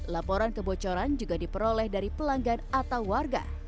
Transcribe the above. laporan kebocoran juga diperoleh dari pelanggan atau warga